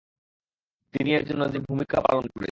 তিনি এর জন্য যে ভূমিকা পালন করেছিলেন।